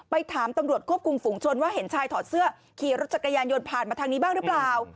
ถามตำรวจควบคุมฝุงชนว่าเห็นชายถอดเสื้อขี่รถจักรยานยนต์ผ่านมาทางนี้บ้างหรือเปล่า